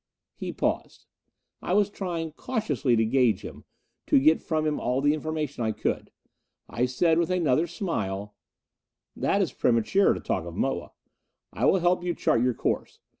He paused. I was trying cautiously to gauge him, to get from him all the information I could. I said, with another smile, "That is premature, to talk of Moa. I will help you chart your course.